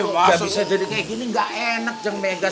gak bisa jadi kayak gini gak enak jeng mega